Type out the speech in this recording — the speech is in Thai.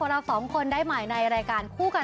เออมองขอนนะมองขอน